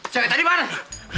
jangan tadi bang